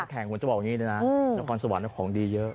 แข่งผมจะบอกอย่างนี้เลยนะนครสวรรค์ของดีเยอะ